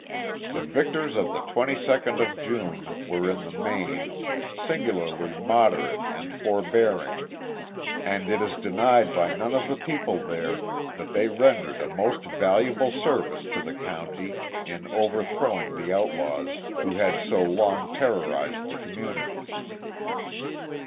The victors of the 22nd of June were in the main, singularly moderate and forbearing, and it is denied by none of the people there that they rendered a most valuable service to the county in overthrowing the outlaws who had so long terrorized the community."